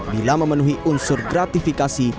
bila memenuhi unsur gratifikasi